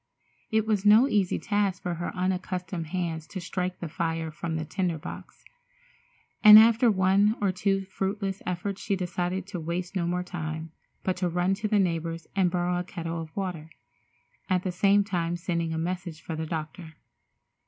It was no easy task for her unaccustomed hands to strike the fire from the tinder box, and after one or two fruitless efforts she decided to waste no more time, but to run to the neighbor's and borrow a kettle of water, at the same time sending a message for the doctor.